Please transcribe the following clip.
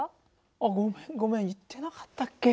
あっごめんごめん言ってなかったっけ？